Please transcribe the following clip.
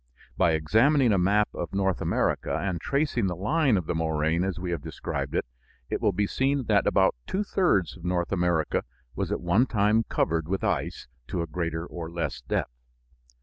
By examining a map of North America and tracing the line of the moraine as we have described it, it will be seen that about two thirds of North America was at one time covered with ice to a greater or less depth.